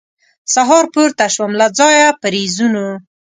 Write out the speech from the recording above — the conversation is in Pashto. سهار پورته سوم له ځایه په رېزونو